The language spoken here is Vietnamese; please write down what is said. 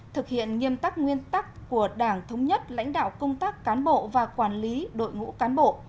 thực hiện nghiêm tắc nguyên tắc của đảng thống nhất lãnh đạo công tác cán bộ và quản lý đội ngũ cán bộ